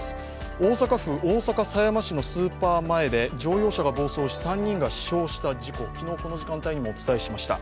大阪府大阪狭山市のスーパー前で乗用車が暴走し３人が死傷した事故、昨日この時間帯にもお伝えしました。